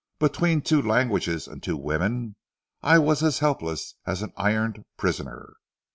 Between two languages and two women, I was as helpless as an ironed prisoner.